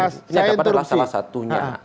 saya dapat salah satunya